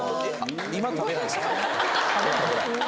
今食べないんすか？